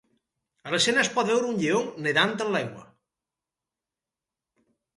A l'escena es pot veure un lleó nedant en l'aigua.